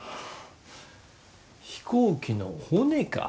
飛行機の骨か？